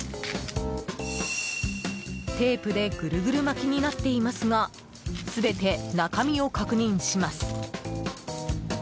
テープでグルグル巻きになっていますが全て、中身を確認します。